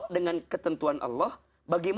dengan ketentuan allah bagaimana